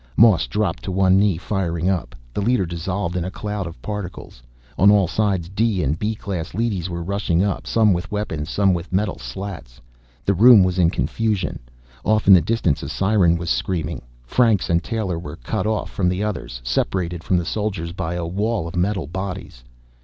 Moss dropped to one knee, firing up. The leader dissolved in a cloud of particles. On all sides D and B class leadys were rushing up, some with weapons, some with metal slats. The room was in confusion. Off in the distance a siren was screaming. Franks and Taylor were cut off from the others, separated from the soldiers by a wall of metal bodies.